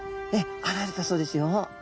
現れたそうですよ。